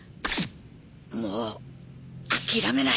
もう諦めない。